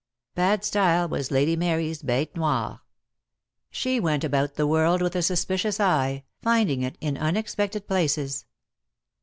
Bad style was Lady Mary's bite noire. She went about the world with a suspicious eye, finding it in unexpected places.